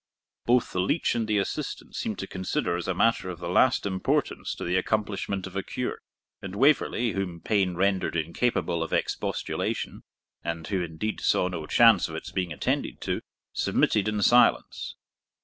] both the leech and the assistants seemed to consider as a matter of the last importance to the accomplishment of a cure; and Waverley, whom pain rendered incapable of expostulation, and who indeed saw no chance of its being attended to, submitted in silence.